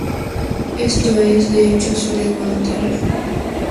Esto es, de hecho, su lengua materna.